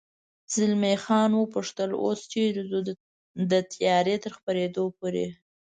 زلمی خان و پوښتل: اوس چېرې ځو؟ د تیارې تر خپرېدو پورې.